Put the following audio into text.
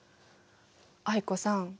藍子さん